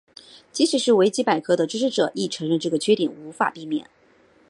即使是维基百科的支持者亦承认这个缺点无法避免。